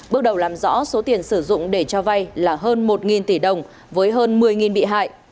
bước đầu làm rõ số tiền sử dụng để cho vay là hơn một tỷ đồng với hơn một mươi bị hại